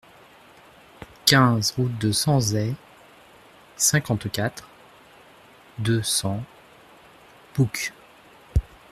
quinze route de Sanzey, cinquante-quatre, deux cents, Boucq